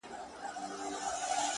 هغه به راسې; جارو کړې ده بیمار کوڅه!